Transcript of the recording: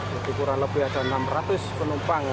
lebih ada enam ratus penumpang